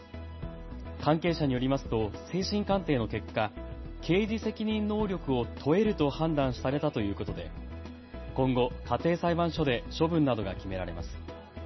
関係者によりますと精神鑑定の結果、刑事責任能力を問えると判断されたということで今後、家庭裁判所で処分などが決められます。